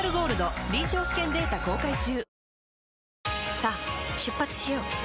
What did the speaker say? さあ出発しよう。